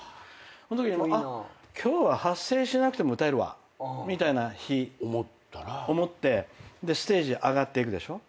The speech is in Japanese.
あっ今日は発声しなくても歌えるわって思った日ステージ上がっていくでしょ。